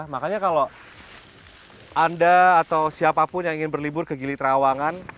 makanya kalau anda atau siapapun yang ingin berlibur ke gili trawangan